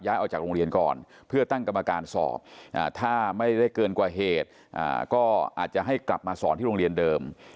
ออกจากโรงเรียนก่อนเพื่อตั้งกรรมการสอบถ้าไม่ได้เกินกว่าเหตุก็อาจจะให้กลับมาสอนที่โรงเรียนเดิม